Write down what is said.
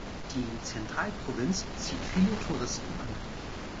Die Zentralprovinz zieht viele Touristen an.